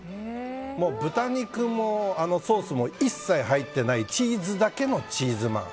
豚肉もソースも一切入っていないチーズだけのチーズまん。